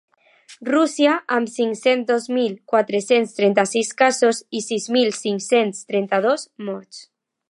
Rússia, amb cinc-cents dos mil quatre-cents trenta-sis casos i sis mil cinc-cents trenta-dos morts.